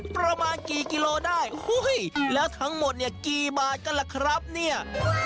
ประมาณกี่กิโลได้แล้วทั้งหมดเนี่ยกี่บาทกันล่ะครับเนี่ย